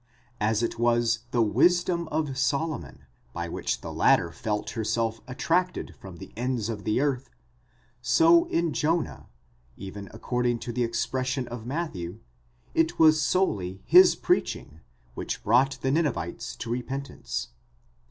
As it was the wisdom of Solomon, σοφία Soopavos, by which the latter felt herself attracted from the ends of the earth: so, in Jonah, even according to the expression of Matthew, it was solely his preach tng, κήρυγμα, which brought the Ninevites to repentance.